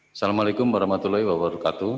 assalamu'alaikum warahmatullahi wabarakatuh